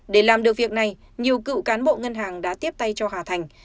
để làm được việc này nhiều cựu cán bộ ngân hàng đã tiếp tay cho hà thành